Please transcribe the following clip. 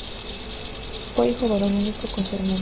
Fue hijo varón único con su hermana.